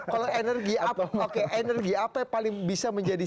kalau energi apa yang paling bisa menjadi